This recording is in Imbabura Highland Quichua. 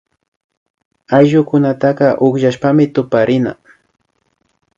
Ayllukunataka ukllashpami tuparina